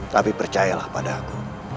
tapi percayalah pada aku